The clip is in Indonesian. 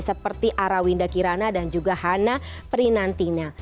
seperti arawinda kirana dan juga hana prinantina